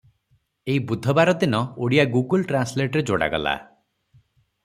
ଏଇ ବୁଧବାର ଦିନ ଓଡ଼ିଆ "ଗୁଗୁଲ ଟ୍ରାନ୍ସଲେଟ"ରେ ଯୋଡ଼ାଗଲା ।